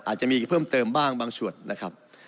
อาจจะมีเพิ่มเติมบ้างบางส่วนนะครับ